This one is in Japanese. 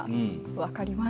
分かります。